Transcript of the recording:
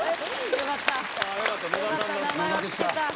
よかった名前は聞けた。